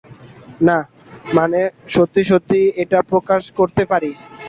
না, মানে সত্যি সত্যি এটা প্রকাশ করতে পারি।